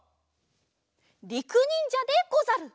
りくにんじゃでござる！